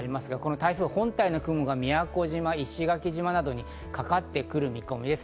台風本体の雲が宮古島、石垣島などにかかってくる見込みです。